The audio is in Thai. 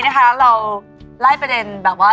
คะเราไล่ประเด็นแบบว่า